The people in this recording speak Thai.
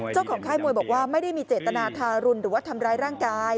ค่ายมวยบอกว่าไม่ได้มีเจตนาทารุณหรือว่าทำร้ายร่างกาย